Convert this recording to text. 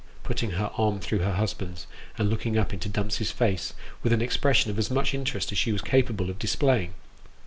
putting her arm through her husband's, and looking up into Dumps's face with an expression of as much interest as she was capable of displaying.